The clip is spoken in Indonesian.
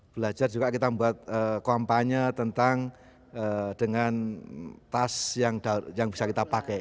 belajar juga kita membuat kampanye tentang dengan tas yang bisa kita pakai